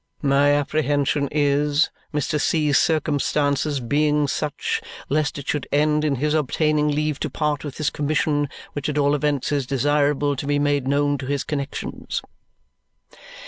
My apprehension is, Mr. C.'s circumstances being such, lest it should end in his obtaining leave to part with his commission, which at all events is desirable to be made known to his connexions."